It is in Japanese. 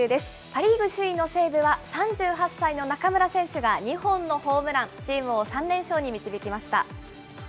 パ・リーグ首位の西武は、３８歳の中村選手が、２本のホームラン、チームを３連勝に導きました。